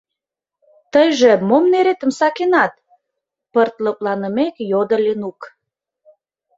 — Тыйже мом неретым сакенат? — пырт лыпланымек йодо Ленук.